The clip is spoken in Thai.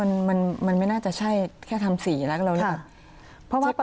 อันนี้มันไม่น่าจะใช่แค่ทำสีแล้วเราก็ลองเช็คประกันดีกว่า